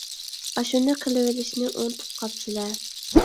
ئاشۇنى قىلىۋېلىشنى ئۇنتۇپ قاپسىلە!